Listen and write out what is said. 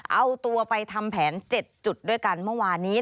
เอาตัวไปทำแผน๗จุดด้วยกันเมื่อวานนี้